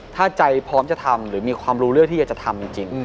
ถ้าใจพร้อมจะทำหรือมีความรู้เรื่องที่อยากจะทำจริง